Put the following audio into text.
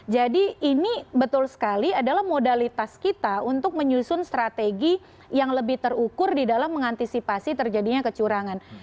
jadi ini betul sekali adalah modalitas kita untuk menyusun strategi yang lebih terukur di dalam mengantisipasi terjadinya kecurangan